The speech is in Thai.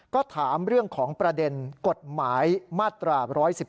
ก็ถามเรื่องของประเด็นกฎหมายมาตรา๑๑๒